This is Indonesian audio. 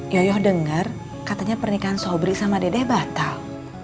yoyoh dengar katanya pernikahan sobri sama dedeh batal